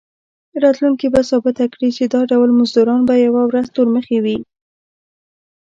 راتلونکي به ثابته کړي چې دا ډول مزدوران به یوه ورځ تورمخي وي.